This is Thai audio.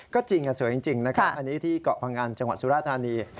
ก็จริงสวยจริงนะครับอันนี้ที่เกาะพังอันจังหวัดสุราธานี